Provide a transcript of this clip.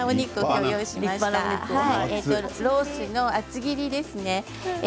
ロースの厚切りですね。